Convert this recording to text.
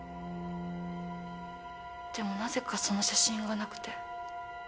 でもなぜかその写真がなくて。